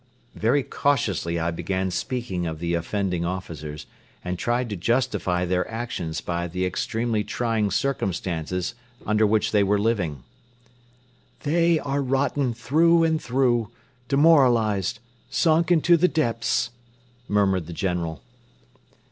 Very cautiously I began speaking of the offending officers and tried to justify their actions by the extremely trying circumstances under which they were living. "They are rotten through and through, demoralized, sunk into the depths," murmured the General.